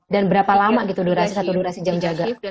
dan berapa lama satu durasi jam jaga